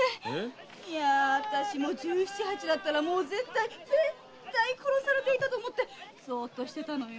いやぁ私も十七八だったらもう絶対ぜったい殺されていたと思ってゾーッとしてたのよ。